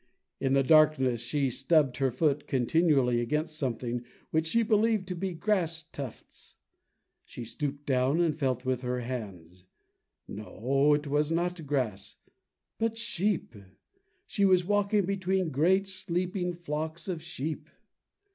In the darkness she stubbed her foot continually against something, which she believed to be grass tufts. She stooped down and felt with her hand. No, it was not grass, but sheep. She was walking between great sleeping flocks of sheep.